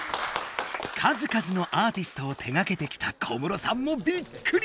数数のアーティストを手がけてきた小室さんもびっくり！